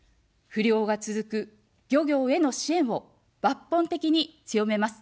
不漁が続く漁業への支援を抜本的に強めます。